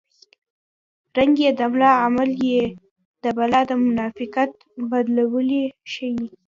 رنګ یې د ملا عمل یې د بلا د منافقت بدوالی ښيي